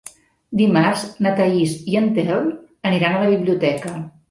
Dimarts na Thaís i en Telm aniran a la biblioteca.